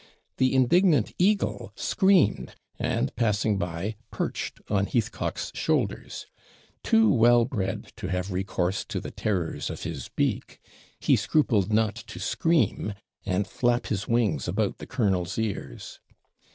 The indignant eagle screamed, and, passing by, perched on Heathcock's shoulders. Too well bred to have recourse to the terrors of his beak, he scrupled not to scream, and flap his wings about the colonel's ears.